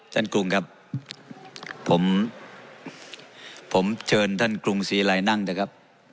กรุงครับผมผมเชิญท่านกรุงศรีรัยนั่งเถอะครับ